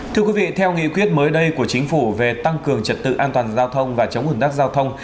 thưa quý vị theo nghị quyết mới đây của chính phủ về tăng cường trật tự an toàn giao thông và chống ủn tắc giao thông